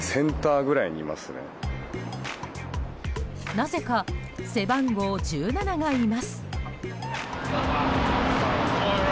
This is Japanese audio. なぜか、背番号１７がいます。